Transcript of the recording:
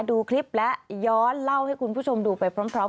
ดูคลิปและย้อนเล่าให้คุณผู้ชมดูไปพร้อม